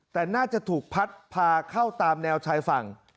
แต่น่าจะถูกพัดพาเข้าตามแนวชายฝั่ง